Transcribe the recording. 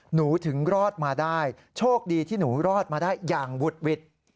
หนูถึงรอดมาได้โชคดีที่หนูรอดมาได้อย่างวุดหวิด